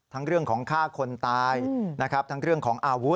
ทั้งเรื่องของฆ่าคนตายทั้งเรื่องของอาวุธ